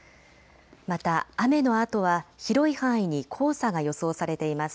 また雨のあとは広い範囲に黄砂が予想されています。